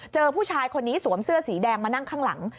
เจอผู้ชายคนนี้สวมเสื้อสีแดงมานั่งข้างหลัง